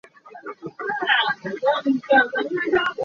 Na in lei kan thuan.